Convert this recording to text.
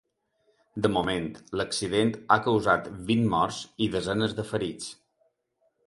De moment, l’accident ha causat vint morts i desenes de ferits.